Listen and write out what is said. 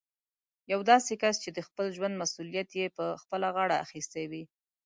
يو داسې کس چې د خپل ژوند مسوليت يې په خپله غاړه اخيستی وي.